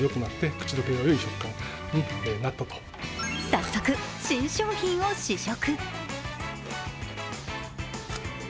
早速新商品を試食。